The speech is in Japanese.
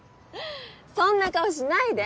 そんな顔しないで？